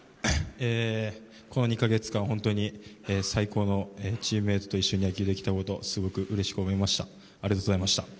この２か月間、本当に最高のチームメートと一緒に野球ができたことをすごくうれしく思いました。